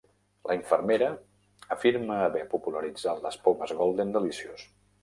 La infermera afirma haver popularitzat les pomes Golden Delicious.